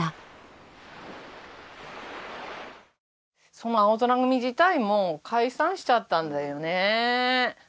そのあおぞら組自体も解散しちゃったんだよね。